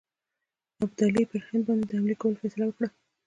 ابدالي پر هند باندي د حملې کولو فیصله وکړه.